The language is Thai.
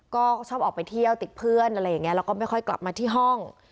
ก็ชอบออกไปเที่ยวติดเพื่อนอะไรอย่างนี้แล้วก็ไม่ค่อยกลับมาที่ห้อง